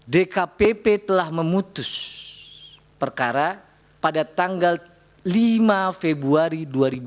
dkpp telah memutus perkara pada tanggal lima februari dua ribu dua puluh